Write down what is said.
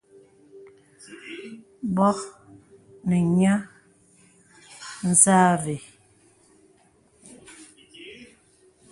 Bɔ nə̀ nyə̄ nzâ və̀.